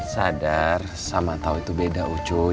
sadar sama tahu itu beda ucu